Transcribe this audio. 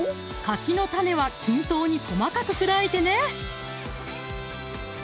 かきの種は均等に細かく砕いてね